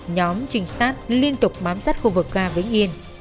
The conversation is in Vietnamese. nhóm trinh sát liên tục bám sát khu vực ga vĩnh yên